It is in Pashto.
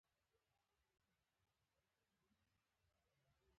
د روټاویټر کارول څه ګټه لري؟